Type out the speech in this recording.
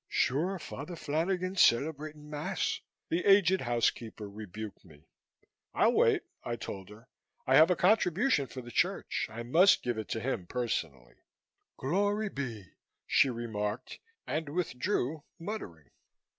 "Sure, Father Flanagan's celebrating Mass," the aged housekeeper rebuked me. "I'll wait," I told her. "I have a contribution for the church. I must give it to him personally." "Glory be!" she remarked, and withdrew, muttering.